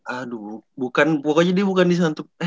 aduh bukan pokoknya dia bukan di santo eh